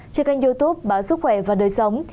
trên kênh youtube bản sức khỏe và đời sống